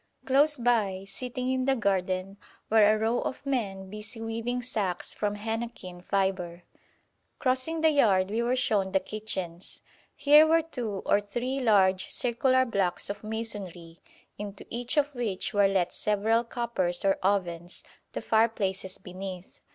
Close by, sitting in the garden, were a row of men busy weaving sacks from henequen fibre. Crossing the yard, we were shown the kitchens. Here were two or three large circular blocks of masonry, into each of which were let several coppers or ovens, the fireplaces beneath.